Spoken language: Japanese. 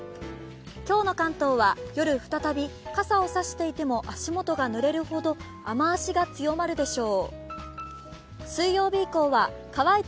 今日の関東は夜再び傘を差していても足元がぬれるほど雨足が強まるでしょう。